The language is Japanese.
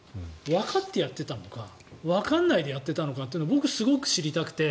わかってやっていたのかわからないでやっていたのかというのを僕、すごく知りたくて。